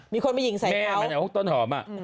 มีคนไปหยิงใส่เขา